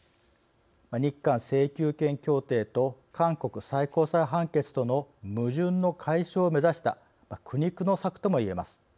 日韓請求権協定と韓国最高裁判決との矛盾の解消を目指した苦肉の策とも言えます。